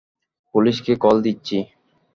পুলিশকে কল দিচ্ছি।